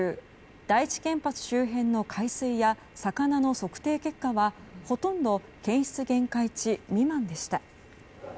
第一原発周辺の海水や魚の測定結果はほとんど検出限界値未満でした。